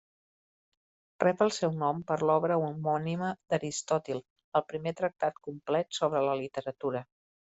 Rep el seu nom per l'obra homònima d'Aristòtil, el primer tractat complet sobre la literatura.